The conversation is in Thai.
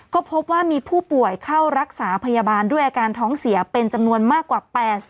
ก็พบว่ามีผู้ป่วยเข้ารักษาพยาบาลด้วยอาการท้องเสียเป็นจำนวนมากกว่า๘๐